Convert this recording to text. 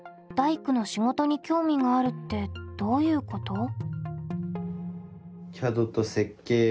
「大工の仕事に興味がある」ってどういうこと？